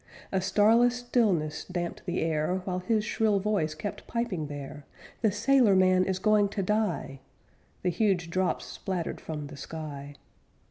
A starless stillness damped the air, While his shrill voice kept piping there, 'The sailor man is going to die' The huge drops splattered from the sky.